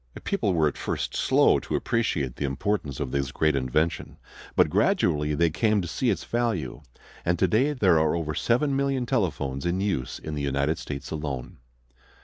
People were at first slow to appreciate the importance of this great invention: but gradually they came to see its value, and today there are over seven million telephones in use in the United States alone.